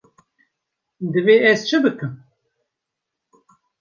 Divê ez çi bikim.